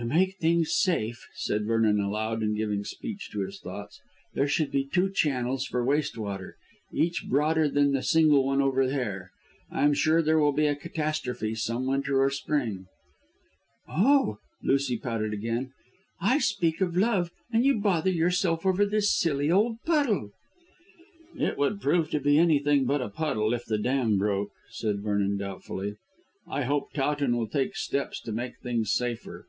"To make things safe," said Vernon aloud and giving speech to his thoughts, "there should be two channels for waste water, each broader than the single one over there. I'm sure there will be a catastrophe some winter or spring." "Oh!" Lucy pouted again. "I speak of love and you bother yourself over this silly old puddle." "It would prove to be anything but a puddle if the dam broke," said Vernon doubtfully. "I hope Towton will take steps to make things safer.